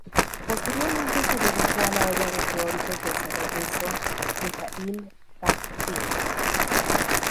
Posteriormente se dedicó a la obra del teórico y pensador ruso Mijaíl Bajtín.